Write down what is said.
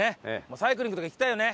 サイクリングとか行きたいよね。